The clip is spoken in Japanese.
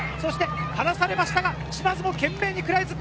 離されましたが嶋津も懸命に食らいつく！